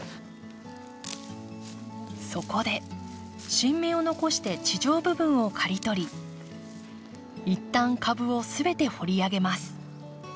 そこで新芽を残して地上部分を刈り取り一旦株を全て掘り上げます。